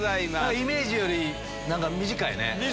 イメージより短いね。